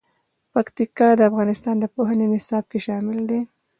پکتیکا د افغانستان د پوهنې نصاب کې شامل دي.